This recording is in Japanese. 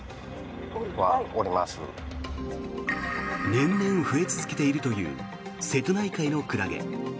年々増え続けているという瀬戸内海のクラゲ。